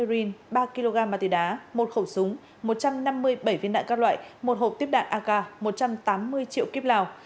đá ba kg ma túy đá một khẩu súng một trăm năm mươi bảy viên đạn các loại một hộp tiếp đạn ak một trăm tám mươi triệu kiếp lào